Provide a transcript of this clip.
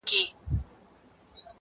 ستا تصوير خپله هينداره دى زما گراني